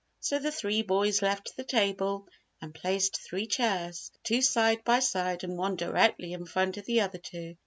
So, the three boys left the table and placed three chairs two side by side and one directly in front of the other two.